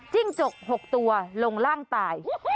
จิ้งจก๖ตัวลงร่างตาย